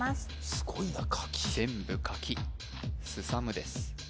すごいな書き全部書きすさむです